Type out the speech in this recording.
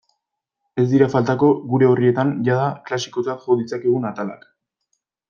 Ez dira faltako gure orrietan jada klasikotzat jo ditzakegun atalak.